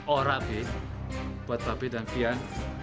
ora b buat bapak b dan fian